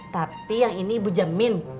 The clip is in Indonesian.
tapi yang ini ibu jamin